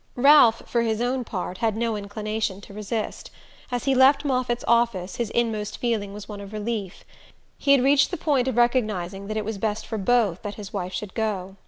Ralph, for his own part, had no inclination to resist. As he left Moffatt's office his inmost feeling was one of relief. He had reached the point of recognizing that it was best for both that his wife should go.